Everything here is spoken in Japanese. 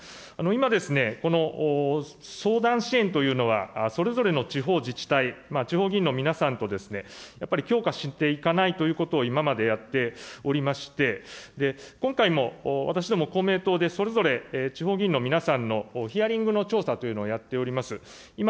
今ですね、この相談支援というのはそれぞれの地方自治体、地方議員の皆さんとやっぱり強化していかないといけないということを今までやっておりまして、今回も私ども公明党で、それぞれ地方議員の皆さんのヒアリングの調査というのをやっております。